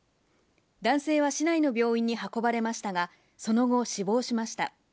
男性は市内の病院に運ばれましたが、その後、死亡しました。